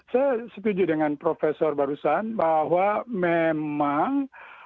saya setuju dengan profesor barusan bahwa memang